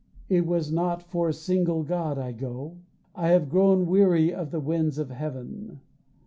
It is not for a single god I go; I have grown weary of the winds of heaven.